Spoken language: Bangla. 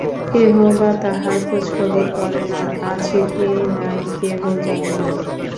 কেহ আব তাহার খোঁজখবব করে না, আছে কি নাই, কেহ জানে না।